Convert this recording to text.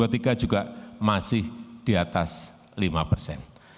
kita akan mencapai kembali ke tahap ekonomi di atas lima persen